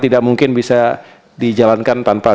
tidak mungkin bisa dijalankan tanpa